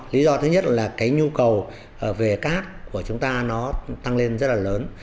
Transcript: lý do thứ nhất là nhu cầu về cát của chúng ta tăng lên rất là lớn